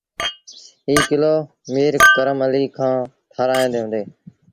ايٚ ڪلو ميٚر ڪرم اليٚ کآݩ ٺآرآيآݩدي هُݩدي۔